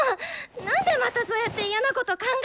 なんでまたそうやって嫌なこと考えるの！